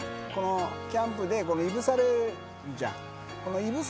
キャンプで燻されるじゃんこの。